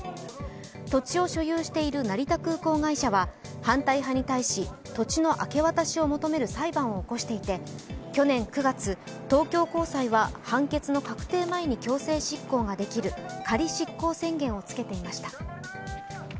土地を所有している成田空港会社は反対派に対し、土地の明け渡しを求める裁判を起こしていて去年９月、東京高裁は判決の確定前に強制執行ができる仮執行宣言をつけていました。